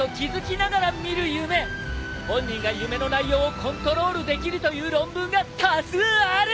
本人が夢の内容をコントロールできるという論文が多数ある！